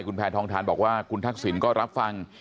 คุณแพทองทานบอกว่าคุณทักษิณก็รับฟัง